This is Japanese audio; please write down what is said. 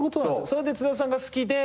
それで津田さんが好きで。